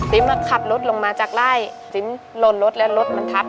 ซิมนะขับรถลงมาจากล่ายซิมโหลดแล้วรถมันทับ